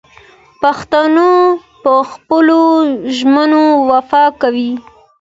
پښتون په خپلو ژمنو وفا کوي.